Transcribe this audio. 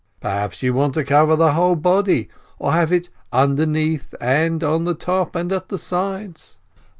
Perhaps you want to cover the whole body, to have it underneath and on the top and at the sides?